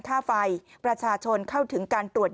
ค่าไฟประชาชนเข้าถึงการตรวจ